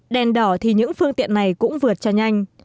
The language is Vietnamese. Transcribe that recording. đèn đỏ thì những phương tiện này cũng vượt cho nhanh